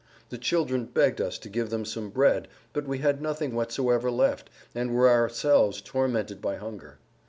The children begged us to[Pg 118] give them some bread, but we had nothing whatsoever left and were ourselves tormented by hunger.